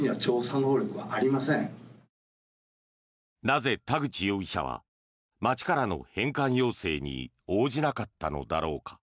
なぜ田口容疑者は町からの返還要請に応じなかったのだろうか。